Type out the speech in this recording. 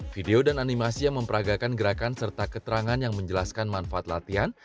video dan animasi yang memperagakan gerakan serta keterangan yang menjelaskan manfaat latihan